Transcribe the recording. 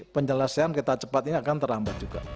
penjelasan kita cepat ini akan terlambat juga